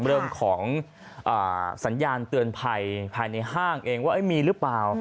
เรื่องของสัญญาณเตือนภัยภายในห้างเองว่ามีหรือเปล่า